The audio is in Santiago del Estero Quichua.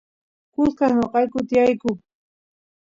kusqas noqayku tiyayku